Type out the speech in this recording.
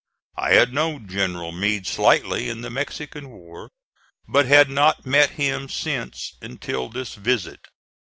I had known General Meade slightly in the Mexican war, but had not met him since until this visit.